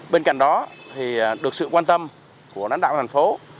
bên cạnh đó thì được sự quan tâm của lãnh đạo thành phố